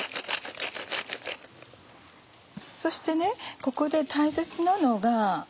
そしてここで大切なのが。